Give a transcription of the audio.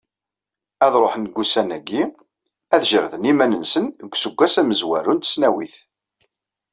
Ad ruḥen deg wussan-agi, ad jerrden iman-nsen deg useggas amezwaru n tesnawit.